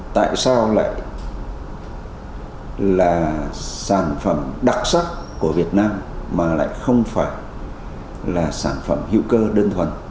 tại sao lại là sản phẩm đặc sắc của việt nam mà lại không phải là sản phẩm hữu cơ đơn thuần